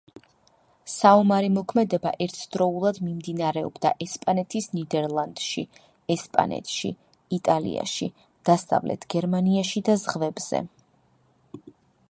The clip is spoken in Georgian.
საომარი მოქმედება ერთდროულად მიმდინარეობდა ესპანეთის ნიდერლანდში, ესპანეთში, იტალიაში, დასავლეთ გერმანიაში და ზღვებზე.